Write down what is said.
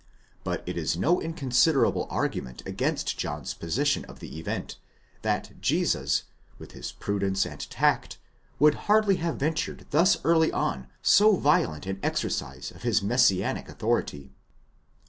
But it is no inconsiderable argument against John's position of the event, that Jesus, with his prudence and tact, would hardly have ventured thus early on so violent an exercise of his messianic authority.!